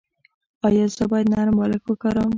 ایا زه باید نرم بالښت وکاروم؟